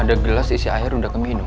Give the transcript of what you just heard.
ada gelas isi air udah keminum